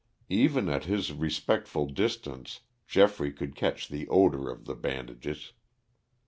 Even at his respectful distance Geoffrey could catch the odor of the bandages.